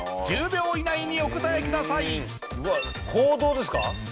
１０秒以内にお答えください行動ですか？